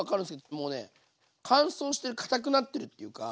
もうね乾燥して堅くなってるっていうか。